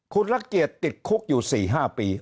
คุณรักเกียจติดคุกอยู่๔๕ปี